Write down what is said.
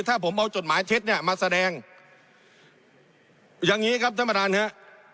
ถ้าผมเอาจดหมายเท็จเนี่ยมาแสดงอย่างนี้ครับท่านประธานฮะ